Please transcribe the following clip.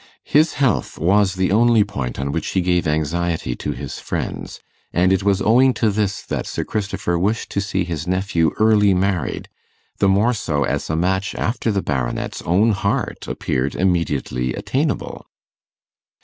His health was the only point on which he gave anxiety to his friends; and it was owing to this that Sir Christopher wished to see his nephew early married, the more so as a match after the Baronet's own heart appeared immediately attainable.